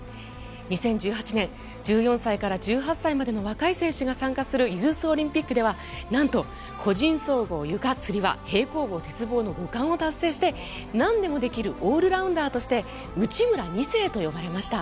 ２０１８年、１４歳から１８歳までの若い選手が参加するユースオリンピックではなんと個人総合、ゆか、つり輪平行棒、鉄棒の５冠を達成してなんでもできるオールラウンダーとして内村２世と呼ばれました。